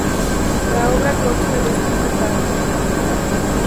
La obra consta de cinco partes.